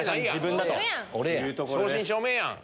正真正銘やん。